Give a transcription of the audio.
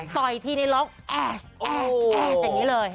ต่อยที่ในร้องแอ๊ดแอ๊ดแอ๊ดแอ๊ดอย่างนี้เลย